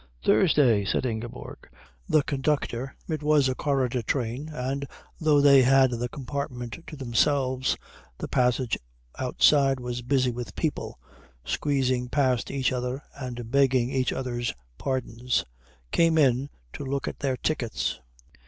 "Thursday," said Ingeborg. The conductor it was a corridor train, and though they had the compartment to themselves the passage outside was busy with people squeezing past each other and begging each other's pardons came in to look at their tickets.